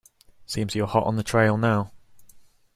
Seems you're hot on the trail now.